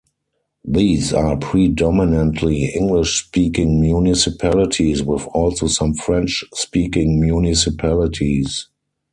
These are predominantly English-speaking municipalities, with also some French-speaking municipalities.